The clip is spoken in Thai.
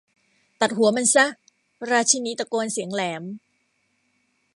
ตัดหัวมันซะ ! ราชินีตะโกนเสียงแหลม